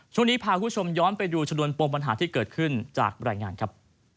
ช่วงนี้พาคุณผู้ชมย้อนไปดูชนวนปมปัญหาที่เกิดขึ้นจากรายงานครับ